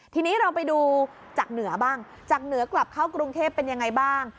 ทีนี้เราไปดูจากเหนือบ้างจากเหนือกลับเข้ากรุงเทพเป็นยังไงบ้าง